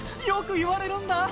よく言われるんだ。